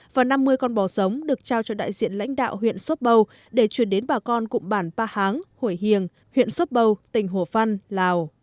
và năm mươi con bò giống được trao cho đại diện lãnh đạo huyện sốp bầu để truyền đến bà con cụm bản ba háng hồi hiền huyện sốp bầu tỉnh hổ phăn lào